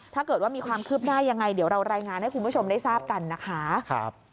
ถ้าเกิดว่ามีความคืบหน้ายังไงเดี๋ยวเรารายงานให้คุณผู้ชมได้ทราบกันนะคะ